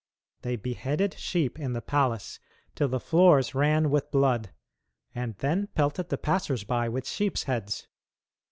They beheaded sheep in the palace till the floors ran with blood, and then pelted the passers by with sheep's heads.